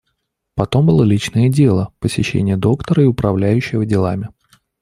Потом было личное дело, посещение доктора и управляющего делами.